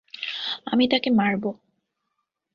আমি তাকে মারব।